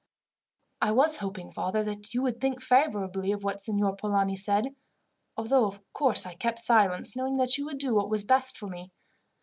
"I was hoping, father, that you would think favourably of what Signor Polani said, although, of course, I kept silence, knowing that you would do what was best for me.